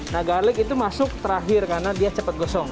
nah garlic itu masuk terakhir karena dia cepat gosong